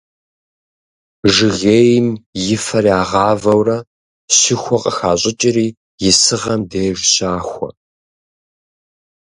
Жыгейм и фэр ягъавэурэ щыхуэ къыхащӏыкӏри исыгъэм деж щахуэ.